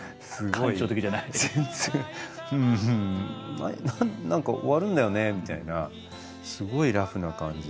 全然何か終わるんだよねみたいなすごいラフな感じで。